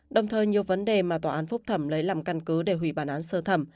đồng thời nhiều vấn đề mà tòa án phúc thẩm lấy làm căn cứ để hủy bản án sơ thẩm